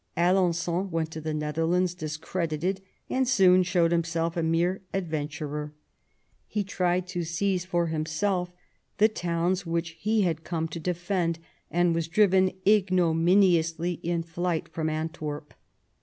Alen9on went to the Netherlands discredited, and soon showed himself a mere adventurer. He tried i84 QUEEN ELIZABETH. to seize for himself the towns which he had come to defend, and was driven ignominiously in flight from Antwerp.